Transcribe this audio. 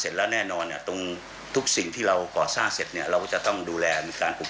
เราลงมาบนเลยกันไว้๕๐กระไร่